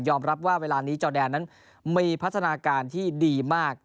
รับว่าเวลานี้จอแดนนั้นมีพัฒนาการที่ดีมาก